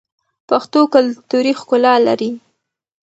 پښتو کلتوري ښکلا لري.